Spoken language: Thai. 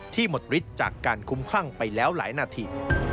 หมดฤทธิ์จากการคุ้มคลั่งไปแล้วหลายนาที